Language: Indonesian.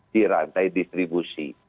di rantai distribusi